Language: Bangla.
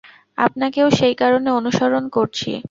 আপনাকেও সেই কারণে অনুসরণ করছি।